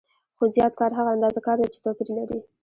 خو زیات کار هغه اندازه کار دی چې توپیر لري